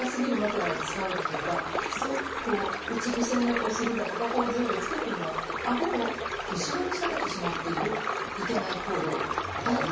猫背になるだとか、すごく高すぎる枕を使うとか、うつぶせ寝をするだとか、頬杖をつくというのは、顎を後ろに下げてしまっているいけない行動。